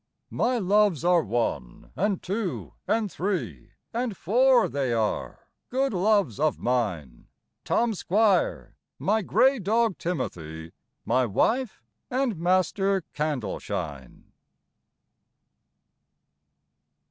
My loves are one and two and three And four they are, good loves of mine, Tom Squire, my grey dog Timothy, My wife and Master Candleshine.